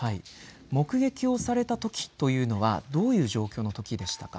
目撃を、されたときというのはどういう状況のときでしたか。